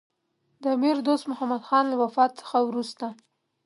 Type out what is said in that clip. د امیر دوست محمدخان له وفات څخه وروسته.